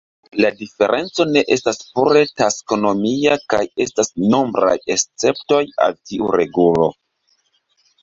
La diferenco ne estas pure taksonomia kaj estas nombraj esceptoj al tiu regulo.